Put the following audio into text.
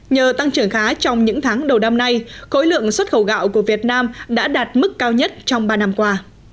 nhờ tăng trưởng khá trong những tháng đầu năm nay khối lượng xuất khẩu gạo của việt nam đã đạt mức cao nhất trong ba năm qua